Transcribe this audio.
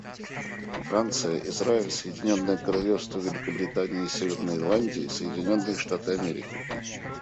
Франция, Израиль, Соединенное Королевство Великобритании и Северной Ирландии, Соединенные Штаты Америки.